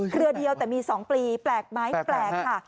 เรือเดียวแต่มี๒ปลีแปลกไหมแปลกค่ะ